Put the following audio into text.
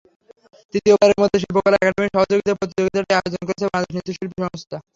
তৃতীয়বারের মতো শিল্পকলা একাডেমির সহযোগিতায় প্রতিযোগিতাটি আয়োজন করছে বাংলাদেশ নৃত্যশিল্পী সংস্থা।